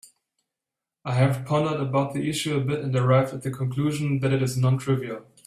I have pondered about the issue a bit and arrived at the conclusion that it is non-trivial.